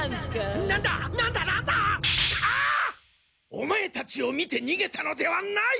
オマエたちを見てにげたのではない！